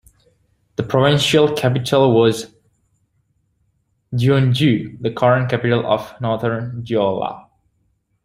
The provincial capital was Jeonju, the current capital of Northern Jeolla.